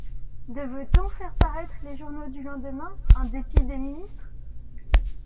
Devait-on faire paraître les journaux du lendemain, en dépit des ministres?